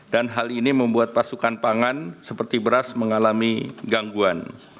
dan hal ini membuat pasukan pangan seperti beras mengalami gangguan